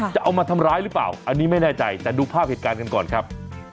จะเอามาทำร้ายหรือเปล่าอันนี้ไม่แน่ใจแต่ดูภาพเหตุการณ์กันก่อนครับ